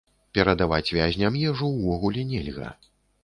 Перадаваць вязням ежу увогуле нельга.